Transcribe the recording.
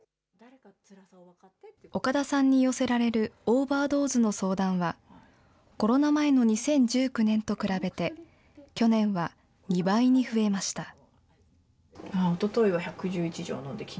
岡田さんに寄せられるオーバードーズの相談は、コロナ前の２０１９年と比べて、去年は２倍に増えました。